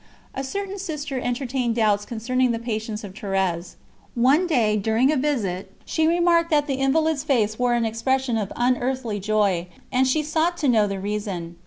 A certain Sister entertained doubts concerning the patience of Thérèse. One day, during a visit, she remarked that the invalid's face wore an expression of unearthly joy, and she sought to know the reason.